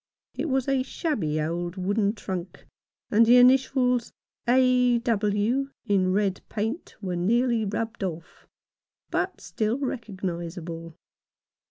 It was a shabby old wooden trunk, and the initials " A. W." in red paint were nearly rubbed off — but still re cognizable.